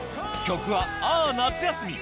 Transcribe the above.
曲は『あー夏休み』